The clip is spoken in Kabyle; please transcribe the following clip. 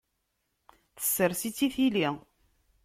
Tessers-itt i tili.